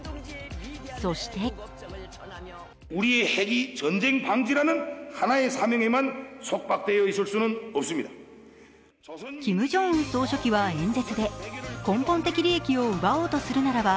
そしてキム・ジョンウン総書記は演説で根本的利益を奪おうとするならば